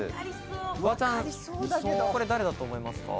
フワちゃん、誰だと思いますか？